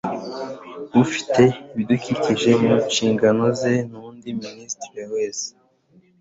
ufite ibidukikije mu nshingano ze nundi minisitiri wese